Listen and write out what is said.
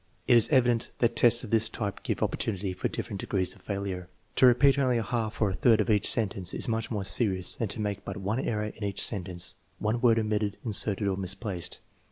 It is evident that tests of this type give opportunity for different degrees of failure. To repeat only a half or a third of each sentence is much more serious than to make but one error in each sentence (one word omitted, inserted, or misplaced).